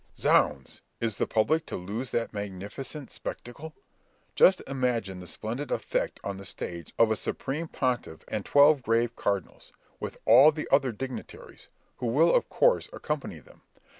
Zounds! is the public to lose that magnificent spectacle! Just imagine the splendid effect on the stage of a supreme Pontiff and twelve grave cardinals, with all the other dignitaries, who will of course accompany them!